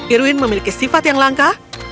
irwin memiliki sifat yang langka